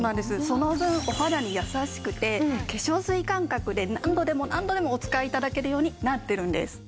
その分お肌に優しくて化粧水感覚で何度でも何度でもお使い頂けるようになっているんです。